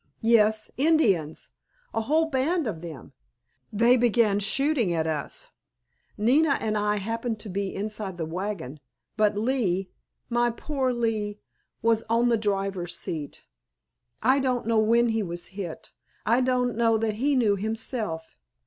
"Yes, Indians—a whole band of them. They began shooting at us. Nina and I happened to be inside the wagon, but Lee—my poor Lee—was on the driver's seat. I don't know when he was hit. I don't know that he knew himself.